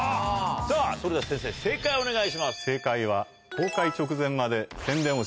さぁそれでは先生正解をお願いします。